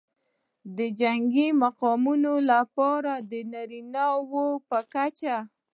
د جنګي مقامونو لپاره د نارینه وو په کچه